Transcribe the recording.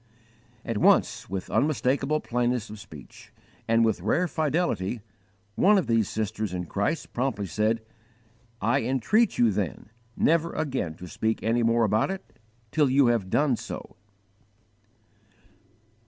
At once, with unmistakable plainness of speech and with rare fidelity, one of these sisters in Christ promptly said: _"I entreat you, then, never again to speak any more about it till you have done so."